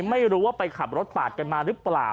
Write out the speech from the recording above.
ไม่รู้ว่าไปขับรถปาดกันมาหรือเปล่า